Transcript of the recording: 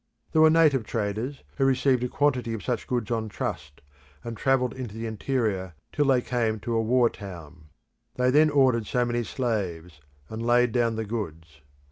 There were native traders, who received a quantity of such goods on trust, and travelled into the interior till they came to a war town. They then ordered so many slaves; and laid down the goods.